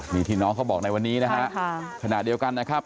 นี่ที่น้องเขาบอกในวันนี้นะฮะขณะเดียวกันนะครับ